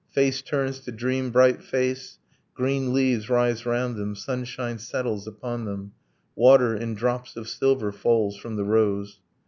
Face turns to dream bright face, Green leaves rise round them, sunshine settles upon them, Water, in drops of silver, falls from the rose.